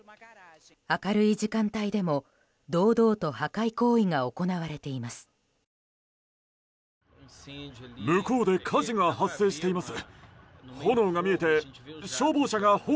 明るい時間帯でも堂々と破壊行為が行われています。